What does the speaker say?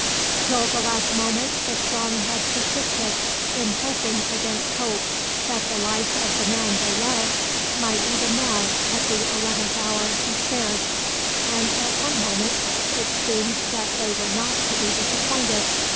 Till the last moment the throng had persisted in hoping against hope that the life of the man they loved might even now, at the eleventh hour, be spared; and at one moment it seemed that they were not to be disappointed.